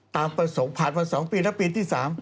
ตามประสงค์ผ่านวัน๒ปีและปีที่๓